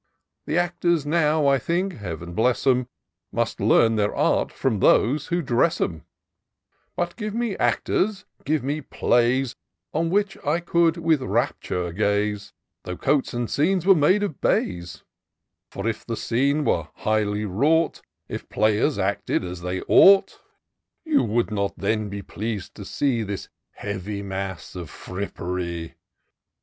The actors now, I think, — Heav'n bless 'em !— Must learn their art from those who dress 'em ; But give me actors, give me plays, On which I could with rapture gaze, Tho' coats and scenes were made of baize : For, if the scene were highly wrought ; If players acted as they ought ; You would not then be pleas'd to see This heavy mass of frippery.